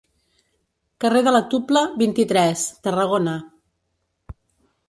Carrer de la Tupla, vint-i-tres, Tarragona.